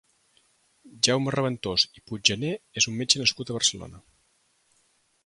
Jaume Reventós i Puigjaner és un metge nascut a Barcelona.